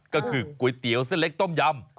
ก็คือก๋วยเตี๋ยวเส้นเล็กต้มยำ